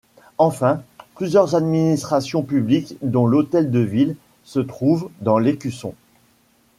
Enfin, plusieurs administrations publiques dont l'hôtel de ville se trouvent dans l'Écusson.